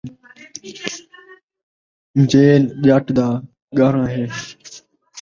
jail ڄٹ دا ڳاہݨا ہے